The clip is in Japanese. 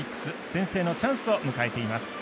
先制のチャンスを迎えています。